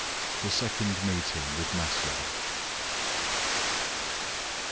THE SECOND MEETING WITH MASLOVA.